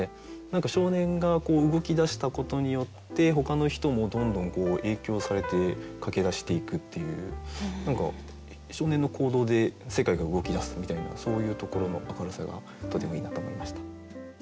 少年が動き出したことによってほかの人もどんどん影響されて駆け出していくっていう何か少年の行動で世界が動き出すみたいなそういうところの明るさがとてもいいなと思いました。